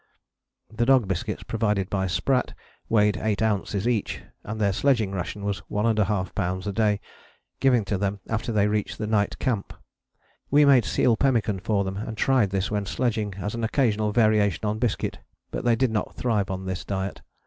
The dog biscuits, provided by Spratt, weighed 8 oz. each, and their sledging ration was 1½ lbs. a day, given to them after they reached the night camp. We made seal pemmican for them and tried this when sledging, as an occasional variation on biscuit, but they did not thrive on this diet.